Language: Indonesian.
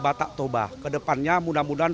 batak toba kedepannya mudah mudahan